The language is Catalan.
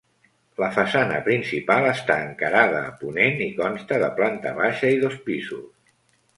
La façana principal està encarada a ponent i consta de planta baixa i dos pisos.